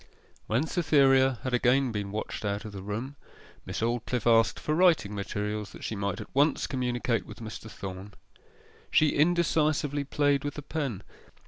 When Cytherea had again been watched out of the room, Miss Aldclyffe asked for writing materials, that she might at once communicate with Mr. Thorn. She indecisively played with the pen.